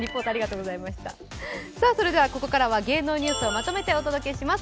それでは、ここからは芸能ニュースをまとめてお届けします。